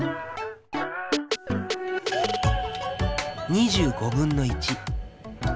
２５分の１。